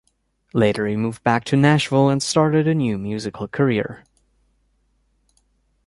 Later he moved back to Nashville and started a new musical career.